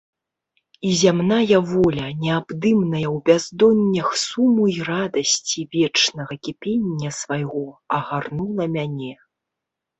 І зямная воля, неабдымная ў бяздоннях суму і радасці вечнага кіпення свайго, агарнула мяне.